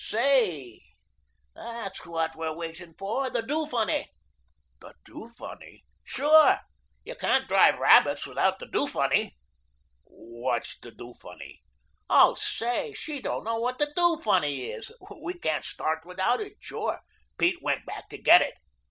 "Say, that's what we're waiting for, the 'do funny.'" "The do funny?" "Sure, you can't drive rabbits without the 'do funny.'" "What's the do funny?" "Oh, say, she don't know what the do funny is. We can't start without it, sure. Pete went back to get it."